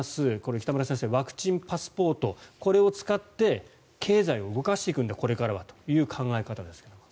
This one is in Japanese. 北村先生、ワクチンパスポートこれを使って経済を動かしていくんだこれからはという考え方です。